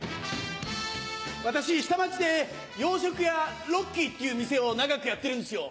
私下町で洋食屋「ロッキー」っていう店を長くやってるんですよ。